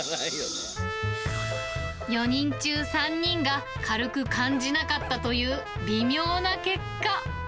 ４人中３人が、軽く感じなかったという微妙な結果。